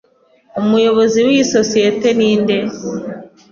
Umuyobozi w'iyi sosiyete ninde?